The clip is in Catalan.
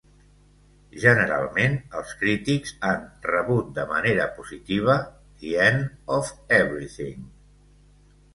Generalment, els crítics han rebut de manera positiva "The End of Everything".